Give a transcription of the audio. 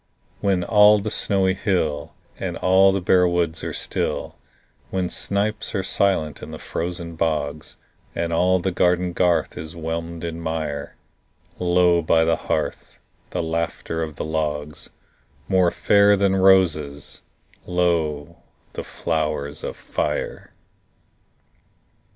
When all the snowy hill And the bare woods are still; When snipes are silent in the frozen bogs, And all the garden garth is whelmed in mire, Lo, by the hearth, the laughter of the logs— More fair than roses, lo, the flowers of fire!